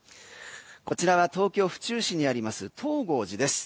こちらは東京・府中市にあります東郷寺です。